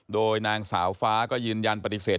โดยนางสาวฟ้าก็ยืนยันปฏิเสธ